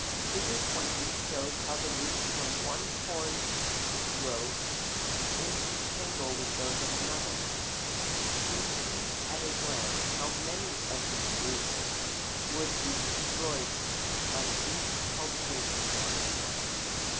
Fig. 20 shows how the roots from one corn row intertangle with those of another. You see at a glance how many of these roots would be destroyed by deep cultivation.